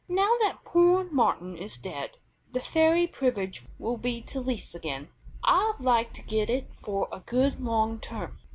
Now that poor Martin is dead the ferry privilege will be to lease again, I'd like to get it for a good long term.